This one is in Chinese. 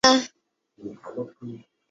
长触合跳蛛为跳蛛科合跳蛛属的动物。